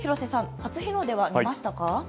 初日の出は見ましたか？